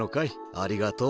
ありがとう。